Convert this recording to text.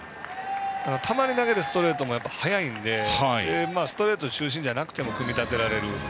たまに投げるストレートが速いのでストレート中心じゃなくても組み立てられる。